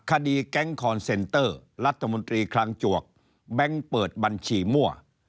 คดีแก๊งคอนเซนเตอร์รัฐมนตรีคลังจวกแบงค์เปิดบัญชีมั่ว